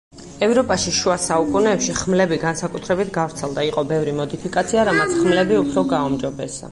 ევროპაში შუა საუკუნეებში ხმლები განსაკუთრებით გავრცელდა, იყო ბევრი მოდიფიკაცია რამაც ხმლები უფრო გააუმჯობესა.